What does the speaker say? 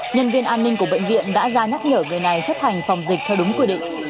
nhân viên an ninh của bệnh viện đã ra nhắc nhở người này chấp hành phòng dịch theo đúng quy định